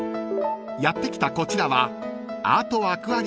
［やって来たこちらは］